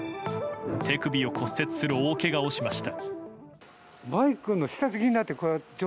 手首を骨折する大けがをしました。